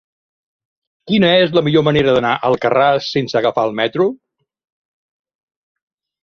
Quina és la millor manera d'anar a Alcarràs sense agafar el metro?